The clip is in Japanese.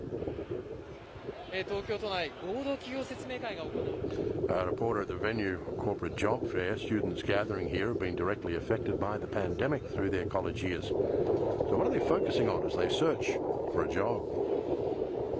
東京都内、合同企業説明会が行われている会場です。